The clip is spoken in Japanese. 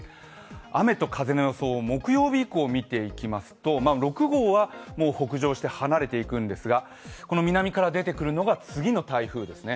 雨と風の予想を木曜日以降、見ていきますと６号は北上して離れていくんですが南から出てくるのが次の台風ですね。